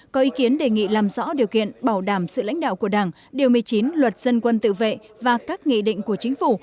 có ý kiến đề nghị làm rõ điều kiện bảo đảm sự lãnh đạo của đảng điều một mươi chín luật dân quân tự vệ và các nghị định của chính phủ